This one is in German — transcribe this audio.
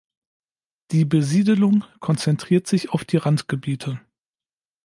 Die Besiedelung konzentriert sich auf die Randgebiete.